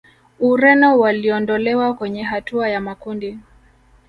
Ureno waliondolewa kwenye hatua ya makundi